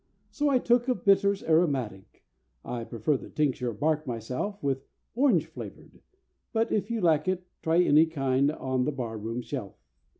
So I took of bitters aromatic (I prefer the tincture of bark myself, With orange flavoured, but if you lack it, Try any kind on the bar room shelf).